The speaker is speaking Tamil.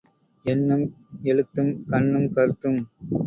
எண்ணும் எழுத்தும் கண்ணும் கருத்தும்.